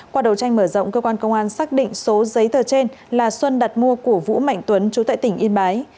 qua đầu tranh mở rộng cơ quan công an xác định số giấy tờ trên là xuân đặt mua của vũ mạnh tuấn chú tại tỉnh yên bái